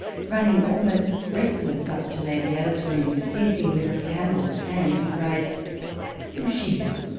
Running almost breathless up to lady Ailesbury, and seizing miss Campbell's hand he cried, _Who she?